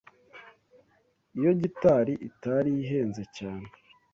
iyo gitari itari ihenze cyane